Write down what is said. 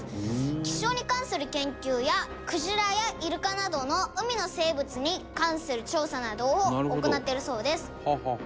「気象に関する研究やクジラやイルカなどの海の生物に関する調査などを行ってるそうです」